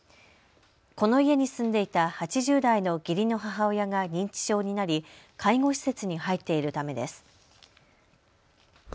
この家に住んでいた８０代の義理の母親が認知症になり介護施設に入っているためです。